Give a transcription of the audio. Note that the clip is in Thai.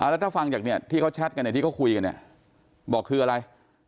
แล้วถ้าฟังจากเนี่ยที่เขาแชทกันเนี่ยที่เขาคุยกันเนี่ยบอกคืออะไร